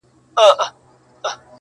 پردى تخت نن كه سبا وي د پردو دئ.!.!